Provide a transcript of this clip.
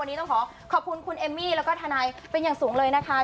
วันนี้ต้องขอขอบคุณคุณเอมมี่แล้วก็ทนายเป็นอย่างสูงเลยนะคะ